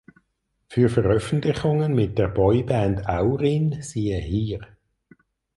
Für Veröffentlichungen mit der Boyband "Auryn" siehe hier.